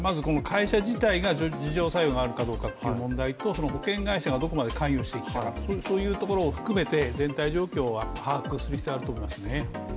会社自体が自浄作用があるかという問題と保険会社がどこまで関与していくかというところを含めて全体状況を把握する必要があると思いますね。